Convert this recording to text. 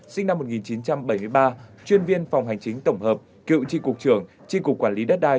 sinh năm một nghìn chín trăm bảy mươi ba chuyên viên phòng hành chính tổng hợp cựu tri cục trưởng tri cục quản lý đất đai